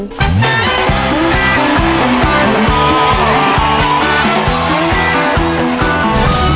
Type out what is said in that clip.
สวัสดีครับ